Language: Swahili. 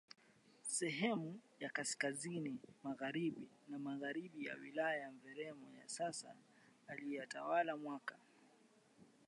sehemu ya Kaskazini Magharibi na Magharibi ya wilaya ya Mvomero ya sasa aliyetawala mwaka